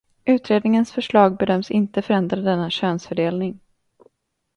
Utredningens förslag bedöms inte förändra denna könsfördelning.